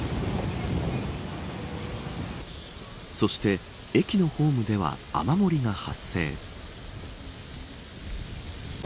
そして、駅のホームでは雨漏りが発生。